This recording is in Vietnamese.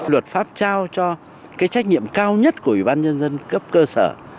luật pháp trao cho cái trách nhiệm cao nhất của ủy ban nhân dân cấp cơ sở